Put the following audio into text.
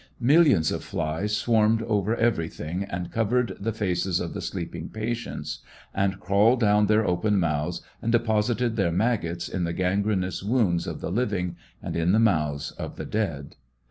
Millions of flies swarmed over everything, and covered the faces of the sleeping patients, and crawled down their open mouths, and deposited their maggots in the gangrenous wounds of the living, and in the mouths of the dead.